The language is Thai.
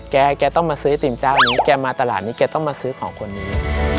แกแกต้องมาซื้อไอติมเจ้านี้แกมาตลาดนี้แกต้องมาซื้อของคนนี้